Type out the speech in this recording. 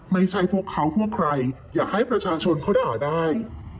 ใครบุกเขาพวกใครอย่าให้ประชาชนเข้าด่าได้